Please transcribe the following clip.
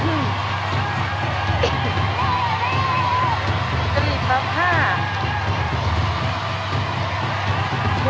เริ่มหน่อยจ๊ะ